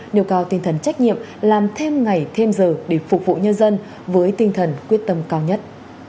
điều cao tinh thần trách nhiệm làm thêm ngày thêm giờ để phục vụ nhân dân với tinh thần quyết tâm cao nhất